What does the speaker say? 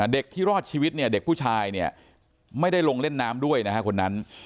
เด็กที่รอดชีวิตเนี่ยเด็กผู้ชายเนี่ยไม่ได้ลงเล่นน้ำด้วยนะฮะคนนั้น